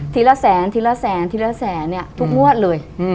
ละแสนทีละแสนทีละแสนเนี่ยทุกงวดเลย